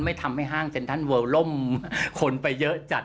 ทำให้ห้างเซ็นทรัลเวิลล่มคนไปเยอะจัด